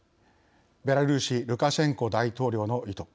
ベラルーシルカシェンコ大統領の意図。